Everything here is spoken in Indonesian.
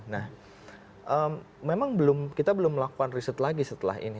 nah memang kita belum melakukan riset lagi setelah ini